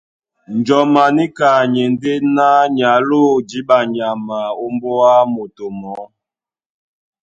Njɔm a níka ni e ndé ná ni aló jǐɓa nyama ómbóá moto mɔɔ́.